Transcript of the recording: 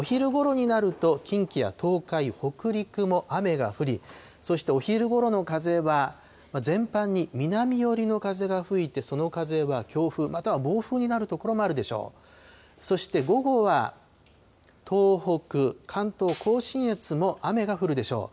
お昼ごろになると近畿や東海、北陸も雨が降り、そしてお昼ごろの風は全般に南寄りの風が吹いて、その風は強風、または暴風になる所もあるでしょう。